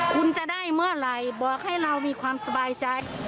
คุณจะได้เมื่อไหร่บอกให้เรามีความสบายใจ